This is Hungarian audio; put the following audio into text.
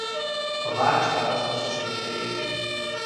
A várost választotta székhelyéül.